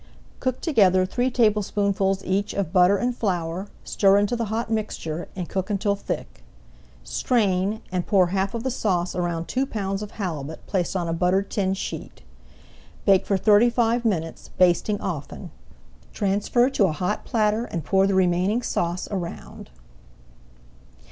Cook together three tablespoonfuls each of butter and flour, stir into the hot mixture, and cook until thick. Strain, and pour half of the sauce around two pounds of halibut placed on a buttered tin sheet. Bake for thirty five minutes, basting often. Transfer to a hot platter and pour the remaining sauce around.